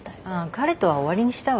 彼とは終わりにしたわ。